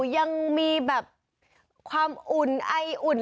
ยังมีแบบความอุ่นไออุ่น